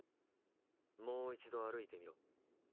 もう一度歩いてみろ。